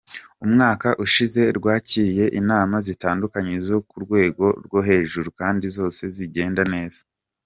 Umwaka ushize rwakiriye inama zitandukanye zo ku rwego rwo hejuru kandi zose zigenda neza.